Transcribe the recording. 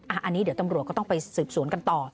อันนี้เดี๋ยวตำรวจก็ต้องไปสืบสวนกันต่อ